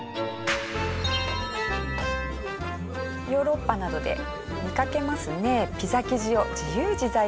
ヨーロッパなどで見かけますね